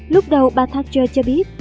lúc đầu bà thatcher cho biết